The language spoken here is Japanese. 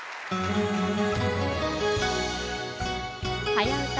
「はやウタ」